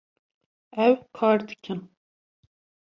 Ew kar dikin